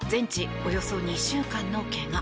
およそ２週間の怪我。